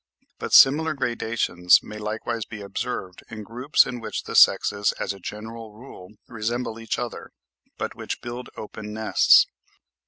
But similar gradations may likewise be observed in groups in which the sexes as a general rule resemble each other, but which build open nests.